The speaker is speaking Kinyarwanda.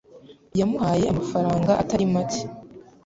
Yamuhaye amafaranga atari make